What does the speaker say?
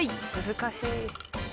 難しい。